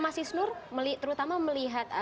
mas isnur terutama melihat